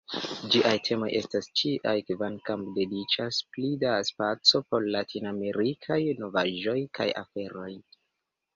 Ĝiaj temoj estas ĉiaj kvankam dediĉas pli da spaco por latinamerikaj novaĵoj kaj aferoj.